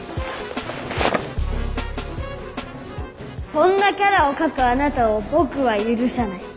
こんなキャラを描くあなたをぼくは許さない。